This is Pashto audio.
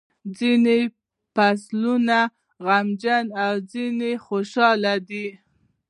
ځینې فصلونه یې غمجن او ځینې خوشاله دي.